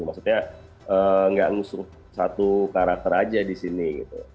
maksudnya gak ngusur satu karakter aja di sini gitu